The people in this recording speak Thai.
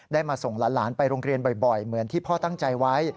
มาส่งหลานไปโรงเรียนบ่อยเหมือนที่พ่อตั้งใจไว้